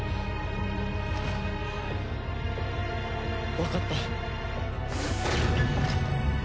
わかった。